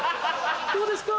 どうですか？